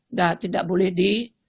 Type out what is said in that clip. nah tidak boleh di